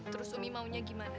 terus ummi maunya gimana